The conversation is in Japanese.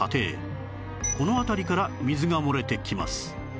この辺りから水が漏れてきます